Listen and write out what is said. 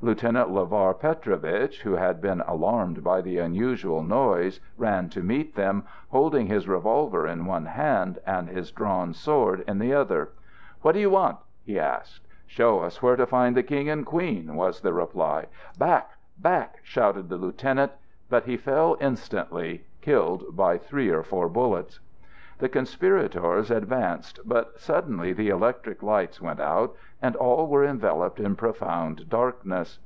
Lieutenant Lavar Petrovitch, who had been alarmed by the unusual noise, ran to meet them, holding his revolver in one hand, and his drawn sword in the other. "What do you want?" he asked. "Show us where to find the King and the Queen!" was the reply. "Back, back!" shouted the Lieutenant; but he fell instantly, killed by three or four bullets. The conspirators advanced, but suddenly the electric lights went out, and all were enveloped in profound darkness.